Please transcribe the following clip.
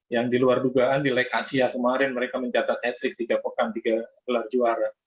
yang di luar dugaan di leg asia kemarin mereka mencatat hat trick tiga pokan tiga gelar juara